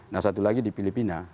nah satu lagi di filipina